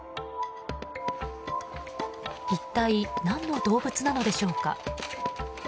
一体、何の動物なのでしょうか。